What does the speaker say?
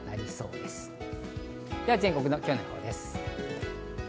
では全国の今日の予報です。